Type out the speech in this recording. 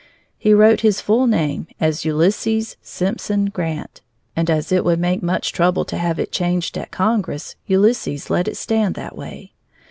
He wrote his full name as Ulysses Simpson Grant, and as it would make much trouble to have it changed at Congress, Ulysses let it stand that way.